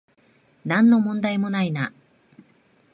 なんの問題もないな